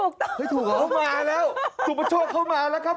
เข้ามาแล้วคุณผู้ชมเข้ามาแล้วครับ